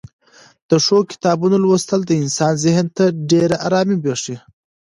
د ښو کتابونو لوستل د انسان ذهن ته ډېره ارامي بښي.